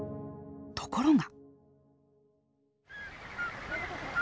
ところが。